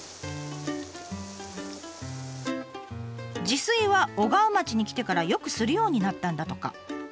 自炊は小川町に来てからよくするようになったんだとか。